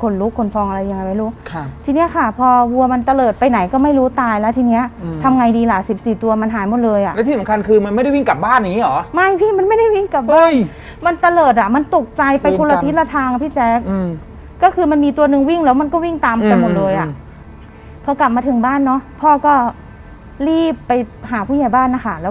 ขนลุกขนฟองอะไรยังไงไม่รู้ทีนี้ค่ะพอวัวมันตะเลิศไปไหนก็ไม่รู้ตายแล้วทีนี้ทำไงดีล่ะ๑๔ตัวมันหายหมดเลยอะแล้วที่สำคัญคือมันไม่ได้วิ่งกลับบ้านอย่างนี้หรอไม่พี่มันไม่ได้วิ่งกลับบ้านเฮ้ยมันตะเลิศอะมันตกใจไปคนละทิศละทางอะพี่แจ๊กก็คือมันมีตัวนึงวิ่งแล้วมันก็วิ่งตามกันหมด